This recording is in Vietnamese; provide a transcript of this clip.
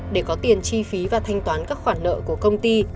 để có tiền chi phí và thanh toán các khoản nợ của công ty